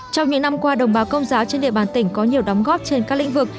trong những năm qua đồng bào công giáo trên địa bàn tỉnh có nhiều đóng góp trên các lĩnh vực